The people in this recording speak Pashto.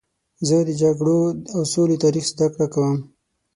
زه د جګړو او سولې تاریخ زدهکړه کوم.